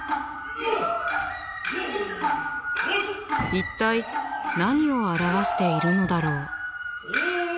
一体何を表しているのだろう。